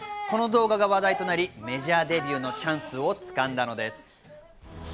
この動画が話題となり、メジャーデビューのチャンスをつかんだのです。